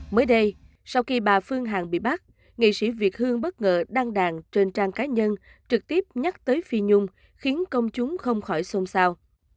mới đây sau khi bà phương hằng bị bắt nghệ sĩ việt hương bất ngờ đăng đàn trên trang cá nhân trực tiếp nhắc tới phi nhung khiến công chúng không khỏi xôn xao